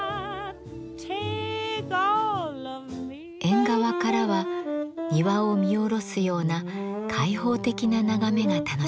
縁側からは庭を見下ろすような開放的な眺めが楽しめます。